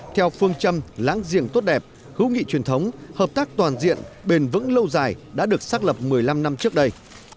theo phương châm láng giềng tốt đẹp hữu nghị truyền thống hợp tác toàn diện bền vững lâu dài đã được xác lập một mươi năm năm trước đây